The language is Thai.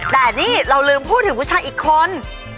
แต่นี่เราลืมพูดถึงผู้ชายอีกคน